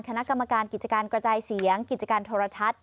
คณะกรรมการกิจการกระจายเสียงกิจการโทรทัศน์